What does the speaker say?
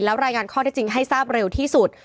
รายงานข้อที่จริงให้ทราบเร็วที่สุด